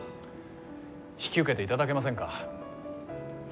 引き受けていただけませんか？